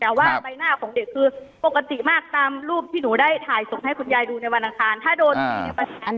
แต่คุณยายจะขอย้ายโรงเรียน